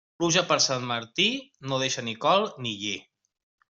Pluja per Sant Martí, no deixa ni col ni lli.